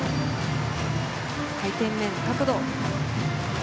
回転面、角度。